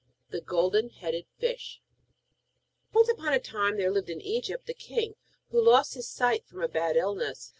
THE GOLDEN HEADED FISH Once upon a time there lived in Egypt a king who lost his sight from a bad illness.